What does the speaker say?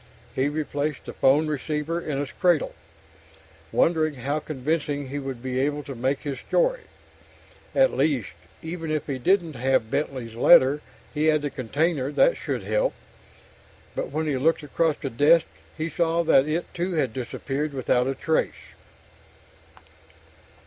He replaced the phone receiver in its cradle, wondering how convincing he would be able to make his story. At least, even if he didn't have Bentley's letter, he had the container. That should help. But when he looked across the desk, he saw that it too had disappeared, without a trace.